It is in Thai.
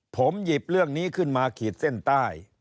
ผมหยิบเรื่องนี้ขึ้นมาขีดเส้นใต้